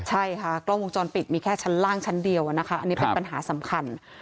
ใช่ค่ะกล้องวงจรปิดมีแค่ชั้นล่างชั้นเดียวนะคะอันนี้เป็นปัญหาสำคัญ